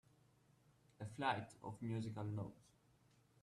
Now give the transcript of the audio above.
A flight (of musical notes)